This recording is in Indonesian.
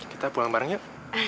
kita pulang bareng yuk